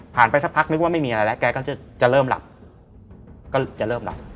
ผ่านไปสักพักนึกว่าไม่มีอะไรแล้วแกก็จะเลิ่มหลับ